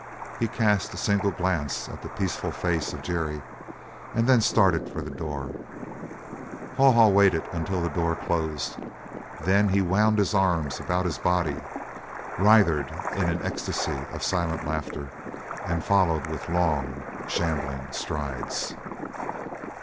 He cast a single glance at the peaceful face of Jerry, and then started for the door. Haw Haw waited until the door closed; then he wound his arms about his body, writhed in an ecstasy of silent laughter, and followed with long, shambling strides.